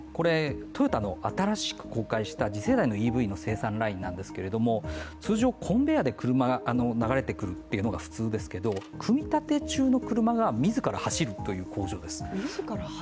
トヨタの新しく公開した次世代のＥＶの生産ラインなんですけど、通常コンベアで車が流れてくるのが普通なんですけど、組み立て中の車が自ら走るという工場です。